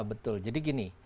betul jadi gini